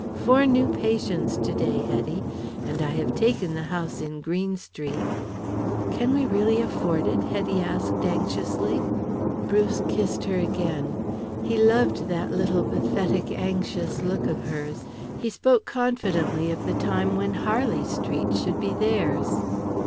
Four new patients today, Hetty. And I have taken the house in Green Street." "Can we really afford it?" Hetty asked anxiously. Bruce kissed her again. He loved that little pathetic, anxious look of hers. He spoke confidently of the time when Harley Street should be theirs.